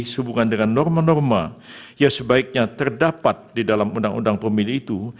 sehubungan dengan norma norma yang sebaiknya terdapat di dalam undang undang pemilih itu